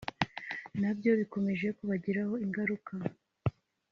nabyo bikomeje kubagiraho ingaruka